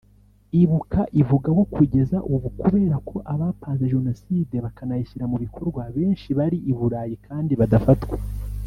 Ibuka ivuga ko kugeza ubu kubera ko abapanze Jenoside bakanayishyira mu bikorwa benshi bari i Burayi kandi badafatwa